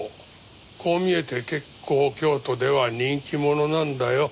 こう見えて結構京都では人気者なんだよ。